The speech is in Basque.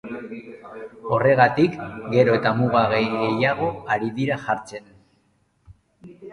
Horregatik, gero eta muga gehiago ari dira jartzen.